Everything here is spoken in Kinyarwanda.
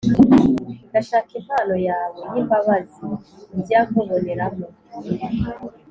Ndashaka impano yawe y’imbabazi njya nkuboneramo